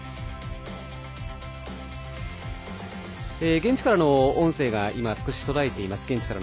現地からの音声が少し途絶えています。